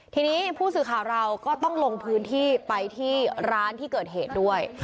ทีนี้ผู้สื่อข่าวเราก็ต้องลงพื้นที่ไปที่ร้านที่เกิดเหตุด้วย